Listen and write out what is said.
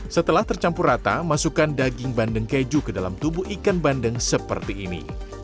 setelah tercampur rata masukkan daging bandeng keju ke dalam tubuh ikan bandeng seperti ini